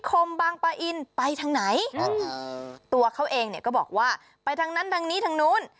คมบางปะอินไปทางไหนตัวเขาเองเนี่ยก็บอกว่าไปทางนั้นทางนี้ทางนู้น